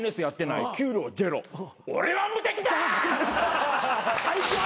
俺は無敵だ！